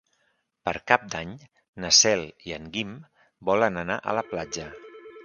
Per Cap d'Any na Cel i en Guim volen anar a la platja.